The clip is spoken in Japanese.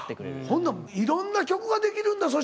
ほんならいろんな曲ができるんだそ